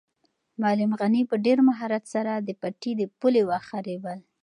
معلم غني په ډېر مهارت سره د پټي د پولې واښه رېبل.